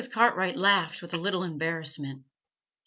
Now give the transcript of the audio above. Cartwright laughed with a little embarrassment.